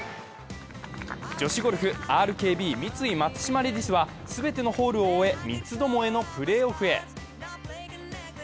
女子ゴルフ、ＲＫＢ×三井松島レディスは全てのホールを終え、三つどもえのプレーオフへ。